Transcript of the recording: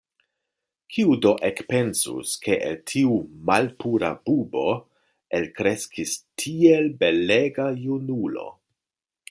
Kiu do ekpensus, ke el tiu malpura bubo elkreskis tiel belega junulo!